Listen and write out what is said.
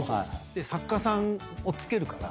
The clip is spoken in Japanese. で作家さんを付けるから。